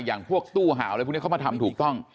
อย่างพวกตู้หาวอะไรพวกนี้เขามาทำถูกต้อง